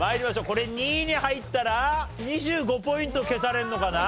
これ２位に入ったら２５ポイント消されるのかな？